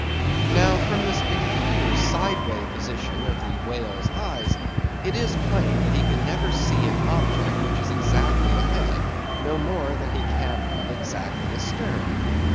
Now, from this peculiar sideway position of the whale's eyes, it is plain that he can never see an object which is exactly ahead, no more than he can one exactly astern.